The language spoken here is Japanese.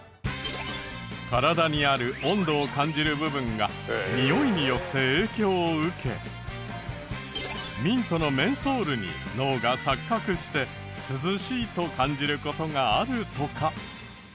体にある温度を感じる部分がにおいによって影響を受けミントのメンソールに脳が錯覚して涼しいと感じる事があるとか。